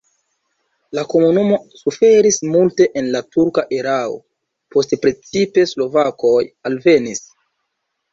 La komunumo suferis multe en la turka erao, poste precipe slovakoj alvenis.